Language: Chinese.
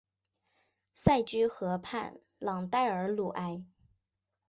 塞居河畔朗代尔鲁埃。